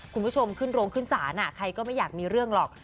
คุณผู้ชมขึ้นโรงขึ้นศาลใครก็ไม่อยากมีเรื่องหรอก